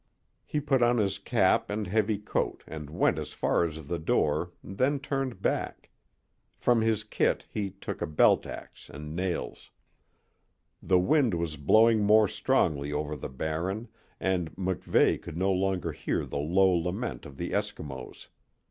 He put on his cap and heavy coat and went as far as the door, then turned back. From his kit he took a belt ax and nails. The wind was blowing more strongly over the Barren, and MacVeigh could no longer hear the low lament of the Eskimos.